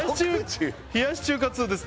「冷やし中華通です」